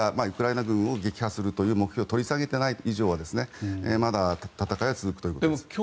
ウクライナ軍を撃破するという目標を取り下げていない以上は戦いは続くということです。